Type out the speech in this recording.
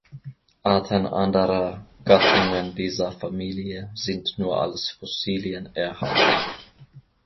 Arten anderer Gattungen dieser Familie sind nur als Fossilien erhalten.